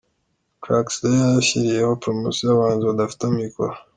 Trackslayer yashyiriyeho 'promotion' abahanzi badafite amikoro.